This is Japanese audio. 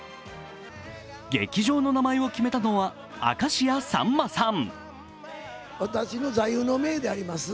劇場の名前を決めたのは明石家さんまさん。